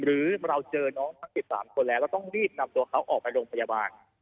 หรือเราเจอน้องทั้ง๑๓คนแล้วก็ต้องรีบนำตัวเขาออกไปโรงพยาบาล